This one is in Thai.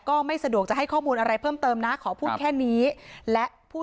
ก็ไม่สะดวกจะให้ข้อมูลอะไรเพิ่มเติมนะขอพูดแค่นี้และผู้